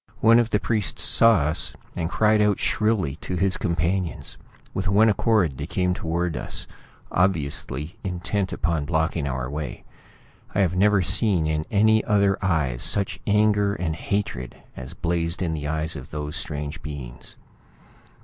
One of the priests saw us, and cried out shrilly to his companions. With one accord they came toward us, obviously intent upon blocking our way. I have never seen in any other eyes such anger and hatred as blazed in the eyes of those strange beings.